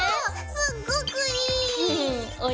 すっごくいい！